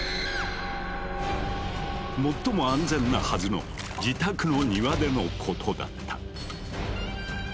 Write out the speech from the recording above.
最も安全なはずの自宅の庭でのことだった。